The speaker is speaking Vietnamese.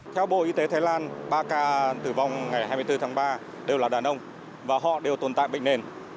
theo bộ y tế thái lan ba ca tử vong ngày hai mươi bốn tháng ba đều là đàn ông và họ đều tồn tại bệnh nền